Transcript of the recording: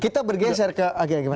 kita bergeser ke ageng